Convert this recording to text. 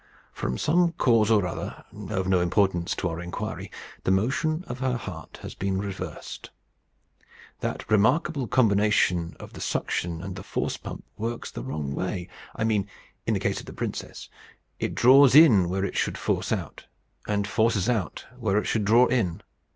From some cause or other, of no importance to our inquiry, the motion of her heart has been reversed. That remarkable combination of the suction and the force pump works the wrong way I mean in the case of the princess: it draws in where it should force out, and forces out where it should draw in.